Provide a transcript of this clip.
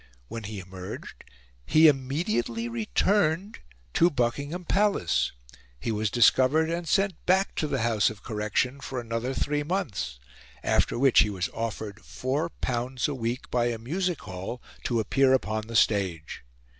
When he emerged, he immediately returned to Buckingham Palace. He was discovered, and sent back to the "House of Correction" for another three months, after which he was offered L4 a week by a music hall to appear upon the stage.